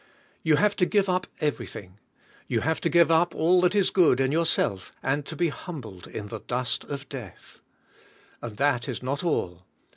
You have to give up everything. You have to give up all that is good in yourself and to be hum bled in the dust of death. And that is not all.